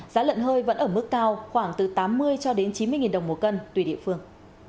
giá lận hơi vẫn ở mức cao khoảng từ tám mươi chín mươi nghìn đồng mỗi cân tùy địa phương